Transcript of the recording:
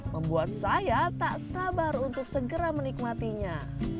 membuat saya tak sabar untuk segera menikmatinya